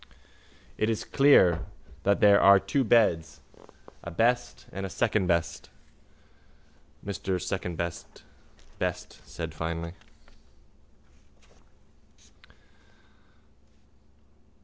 —It is clear that there were two beds, a best and a secondbest, Mr Secondbest Best said finely.